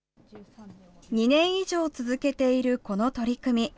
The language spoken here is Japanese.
２年以上続けているこの取り組み。